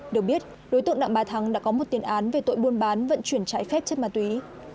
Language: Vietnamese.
được biết đối tượng đặng bà thắng đã có một tiền án về tội buôn bán vận chuyển trái phép chất ma túy